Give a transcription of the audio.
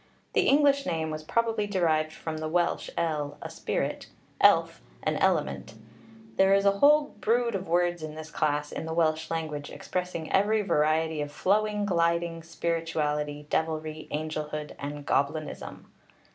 The English name was probably derived from the Welsh el, a spirit, elf, an element; there is a whole brood of words of this class in the Welsh language, expressing every variety of flowing, gliding, spirituality, devilry, angelhood, and goblinism.